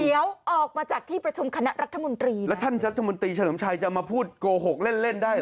เดี๋ยวออกมาจากที่ประชุมคณะรัฐมนตรีแล้วท่านรัฐมนตรีเฉลิมชัยจะมาพูดโกหกเล่นเล่นได้เห